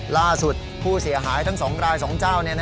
ล่าสุดผู้เสียหายทั้ง๒ราย๒เจ้า